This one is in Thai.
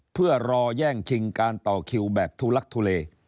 เพื่อรอแย่งชิงการต่อคิวแบบทุลักทุเล